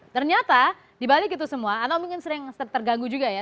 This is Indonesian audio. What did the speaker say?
ternyata di bali itu semua anda mungkin sering terganggu juga ya